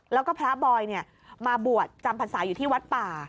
แล้วก็พระบอยมาบวชจำพรรษาอยู่ที่วัดป่า